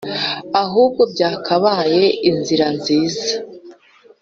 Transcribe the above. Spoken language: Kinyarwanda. ahubwo byakabaye inzira nziza